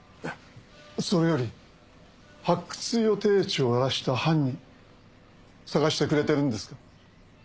それより発掘予定地を荒らした犯人捜してくれてるんですか？